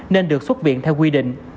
nên được xuất viện theo quy định